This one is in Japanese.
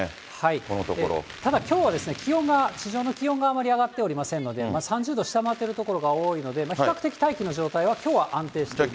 ただきょうは気温が、地上の気温があまり上がっておりませんので、３０度下回ってる所が多いので、比較的、大気の状態はきょうは安定しています。